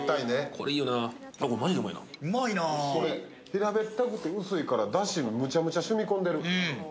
平べったくて薄いからだしもめちゃくちゃ染み込んでる。